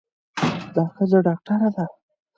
دا ښځه ډاکټره ده.